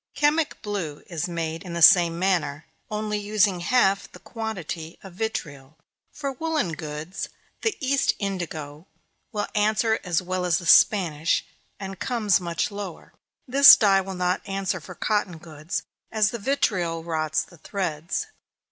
Chemic blue is made in the same manner, only using half the quantity of vitriol. For woollen goods, the East indigo will answer as well as the Spanish, and comes much lower. This dye will not answer for cotton goods, as the vitriol rots the threads.